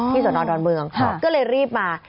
สนดอนเมืองก็เลยรีบมา